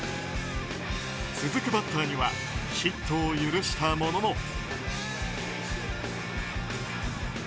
続くバッターにはヒットを許したものの。